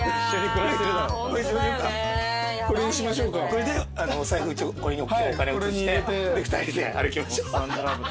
これでお財布これにお金移してで２人で歩きましょう。